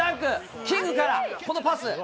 キングから、このパス。